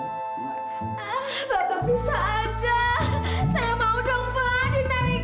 bapak bisa aja saya mau dong pak dinaikin